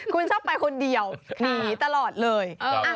คุณชอบไปคนเดียวหนีตลอดเลย